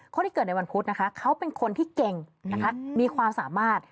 คนที่เกิดในวันพุธนะคะเขาเป็นคนที่เก่งนะคะมีความสามารถ